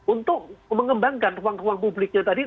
untuk mengembangkan ruang ruang publiknya tadi